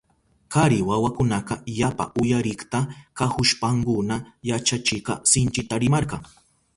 Kari wawakunaka yapa uyarikta kahushpankuna yachachikka sinchita rimarka.